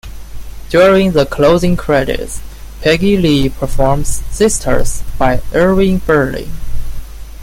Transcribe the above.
During the closing credits, Peggy Lee performs "Sisters" by Irving Berlin.